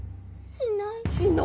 しない？